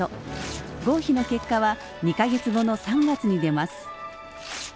合否の結果は２か月後の３月に出ます。